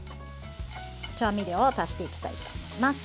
調味料を足していきたいと思います。